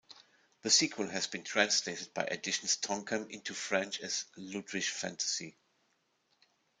The sequel has been translated by Editions Tonkam into French as "Ludwig Fantasy".